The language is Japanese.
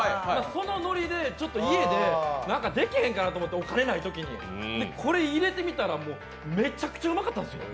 そのノリで家で何かできへんかなと思って、お金ないときに、これを入れてみたらめちゃくちゃうまかったんですよ！